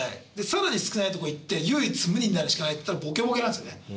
更に少ないとこいって唯一無二になるしかないっていったらボケボケなんですよね。